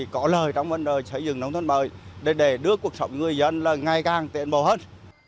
có lời trong vấn đề xây dựng nông thôn mới để đưa cuộc sống người dân là ngày càng tiện bộ hơn